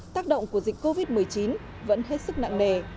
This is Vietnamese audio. tác động của dịch covid một mươi chín vẫn hết sức nặng nề